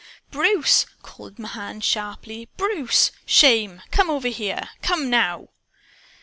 "Bruce!" called Mahan sharply. "BRUCE! Shame! Come over here! Come, NOW!"